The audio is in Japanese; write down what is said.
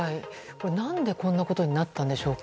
何で、こんなことになったんでしょうか？